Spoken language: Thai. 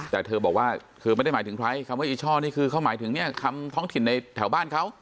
แต่เธอบอกว่าเธอไม่ได้หมายถึงใครคำว่าอีช่อนี่คือเขาหมายถึงเนี่ยคำท้องถิ่นในแถวบ้านเขา